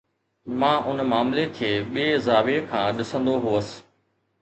مان ان معاملي کي ٻئي زاويي کان ڏسندو هوس.